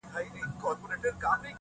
ناز دي کمه سوله دي کم جنګ دي کم.!